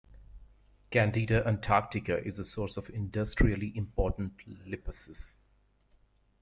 "Candida antarctica" is a source of industrially important lipases.